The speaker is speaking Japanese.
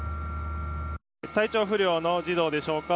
体調不良の児童でしょうか。